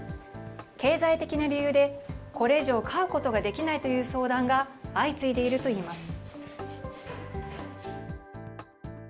経済的な理由で、これ以上、飼うことができないという相談が相次いでいるといいます。